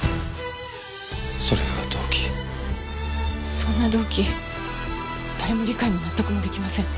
そんな動機誰も理解も納得もできません。